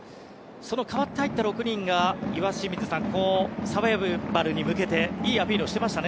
その代わって入った６人が岩清水さんサバイバルに向けていいアピールをしていましたね。